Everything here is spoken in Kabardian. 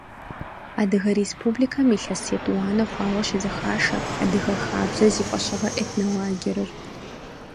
Адыгэ Республикэм илъэс етӏуанэ хъуауэ щызэхашэ «Адыгэ хабзэ» зи фӏэщыгъэ этнолагерыр.